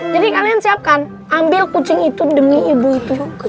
jadi kalian siapkan ambil kucing itu demi ibu itu